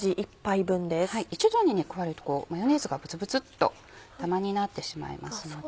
徐々に加えるとマヨネーズがプツプツっとダマになってしまいますので。